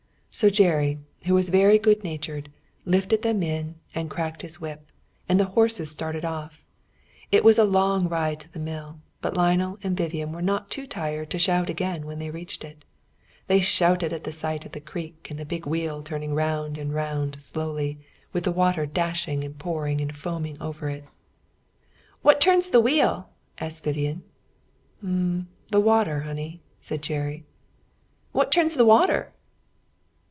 So Jerry, who was very good natured, lifted them in, and cracked his whip, and the horses started off. It was a long ride to the mill, but Lionel and Vivian were not too tired to shout again when they reached it. They shouted at sight of the creek and the big wheel turning round and round slowly, with the water dashing and pouring and foaming over it. "What turns the wheel?" asked Vivian. "The water, honey," said Jerry. "What turns the water?"